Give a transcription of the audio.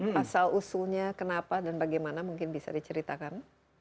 pasal usulnya kenapa dan bagaimana mungkin bisa diceritakan